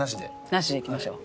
なしでいきましょう。